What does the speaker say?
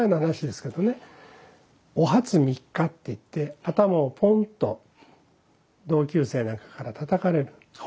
「お初三日！」って言って頭をポンと同級生なんかからたたかれる。